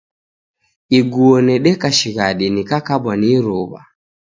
Iguo nedeka shighadi nikikabwa ni iruw'a